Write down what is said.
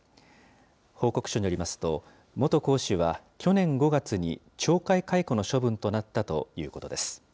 報告書によりますと、元講師は去年５月に懲戒解雇の処分となったということです。